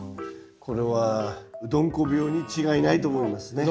これはうどんこ病に違いないと思いますね。